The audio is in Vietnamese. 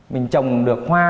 mình trồng được hoa